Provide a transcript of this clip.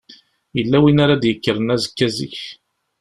Yella win ara d-yekkren azekka zik?